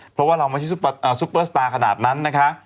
เพราะว่าเราไม่ใช่ซุปเปอร์สตาร์ขนาดนั้นนะคะ